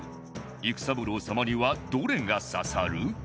育三郎様にはどれが刺さる？